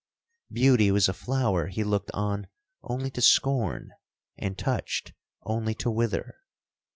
Beauty was a flower he looked on only to scorn, and touched only to wither.